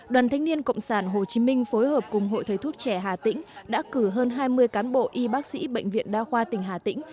đoàn thanh niên cộng sản hồ chí minh phối hợp cùng hội thầy thuốc trẻ hà tĩnh đã cử hơn hai mươi cán bộ y bác sĩ bệnh viện đa khoa tỉnh hà tĩnh